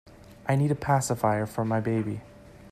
I need a pacifier for my baby.